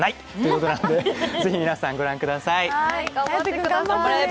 ので、ぜひ皆さんご覧ください。